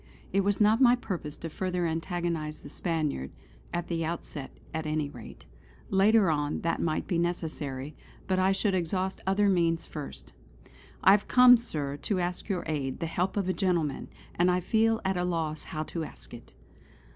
It was not my purpose to further antagonise the Spaniard; at the outset at any rate. Later on, that might be necessary; but I should exhaust other means first. "I have come, Sir, to ask your aid, the help of a gentleman; and I feel at a loss how to ask it."